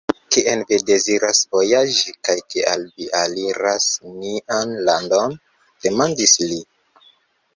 Kien vi deziras vojaĝi, kaj kial vi aliras nian landon? demandis li.